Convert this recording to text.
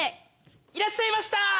いらっしゃいました。